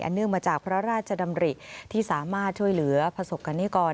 เนื่องมาจากพระราชดำริที่สามารถช่วยเหลือประสบกรณิกร